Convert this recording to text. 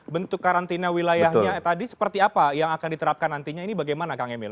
bentuk karantina wilayahnya tadi seperti apa yang akan diterapkan nantinya ini bagaimana kang emil